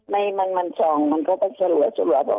มันส่องมันก็ไม่สะหรับ